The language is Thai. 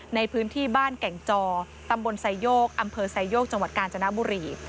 ในพื้นที่บ้านแก่งจอตำบลไซโยกอำเภอไซโยกจังหวัดกาญจนบุรี